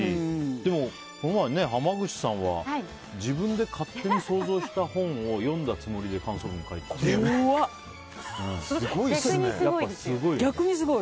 でも、この前、濱口さんは自分で勝手に想像した本を読んだつもりで怖っ！逆にすごい。